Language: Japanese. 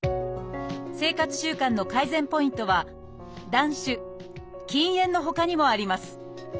生活習慣の改善ポイントは「断酒」「禁煙」のほかにもあります。